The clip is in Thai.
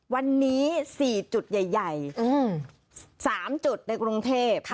วันนี้สี่จุดใหญ่ใหญ่อืมสามจุดในกรุงเทพฯค่ะ